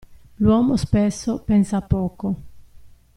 L'uomo spesso pensa poco.